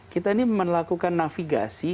kita ini melakukan navigasi